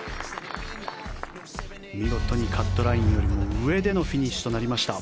見事にカットラインより上でのフィニッシュとなりました。